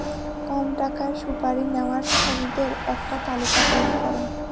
কম টাকার সুপাড়ি নেওয়ার খুনিদের একটা তালিকা তৈরি কর।